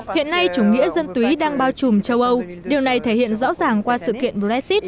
hiện nay chủ nghĩa dân túy đang bao trùm châu âu điều này thể hiện rõ ràng qua sự kiện brexit